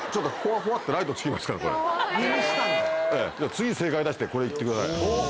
次正解出してこれ行ってください。